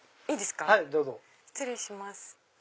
失礼します。